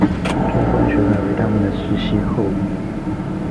中观学派为他们的直系后裔。